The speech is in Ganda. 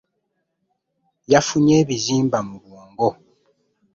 Yafunye ebizimba mu bwongo .